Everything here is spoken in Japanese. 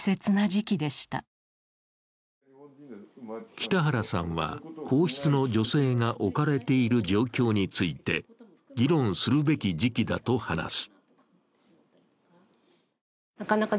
北原さんは、皇室の女性が置かれている状況について議論するべき時期だと話す。